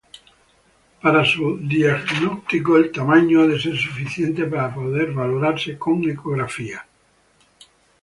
Para su diagnóstico, el tamaño ha de ser suficiente para poder valorarse con ecografía.